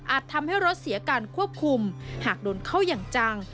ทำให้รถเสียการควบคุมหากโดนเข้าอย่างจัง